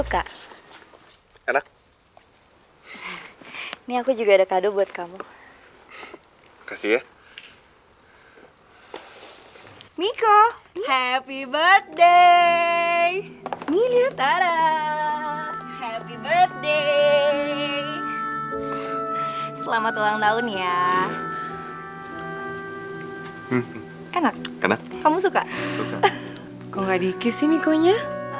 kalian ngobrol aja dulu ya